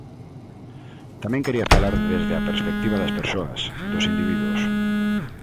Tamén quería falar desde a perspectiva das persoas, dos individuos.